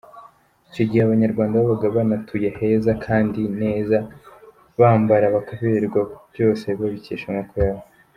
Icyo gihe abanyarwanda babaga banatuye heza kandi neza, bambara bakaberwa, byose babikesha amaboko yabo.